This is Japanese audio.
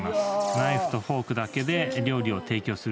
ナイフとフォークだけで料理を提供する。